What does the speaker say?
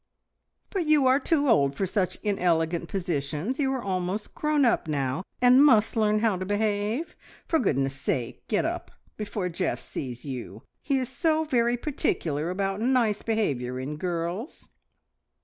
"But you are too old for such inelegant positions. You are almost grown up now, and must learn how to behave. For goodness' sake get up before Geoff sees you! He is so very particular about nice behaviour in girls."